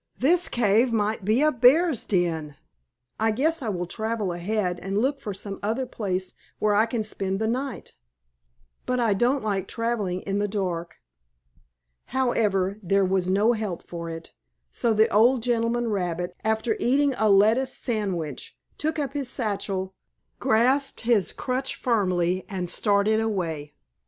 "This cave might be a bear's den. I guess I will travel ahead and look for some other place where I can spend the night. But I don't like traveling in the dark." However, there was no help for it, so the old gentleman rabbit, after eating a lettuce sandwich, took up his satchel, grasped his crutch firmly, and started away.